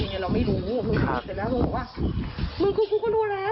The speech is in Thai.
เนี้ยเราไม่รู้ครับเสร็จแล้วเราก็บอกว่ามึงกูกูก็รู้แล้ว